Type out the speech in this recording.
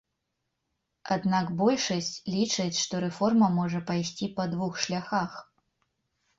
Аднак большасць лічаць, што рэформа можа пайсці па двух шляхах.